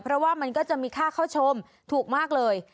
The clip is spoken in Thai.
เพราะว่ามันก็จะมีค่าเข้าชมถูกมากเลย